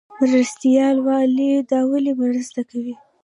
مرستیال والی د والی مرسته کوي